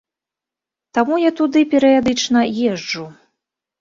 Таму я туды перыядычна езджу.